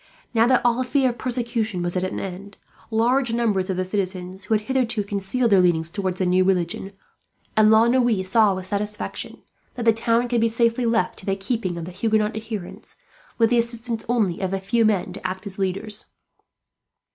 Now that all fear of persecution was at an end, large numbers of the citizens, who had hitherto concealed their leanings towards the new religion, openly avowed them; and La Noue saw with satisfaction that the town could be safely left to the keeping of the Huguenot adherents, with the assistance only of a few men to act as leaders.